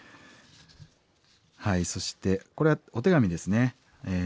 はいそしてこれはお手紙ですね。